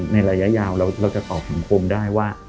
ในระยะยาวเราจะตอบสังคมได้ว่า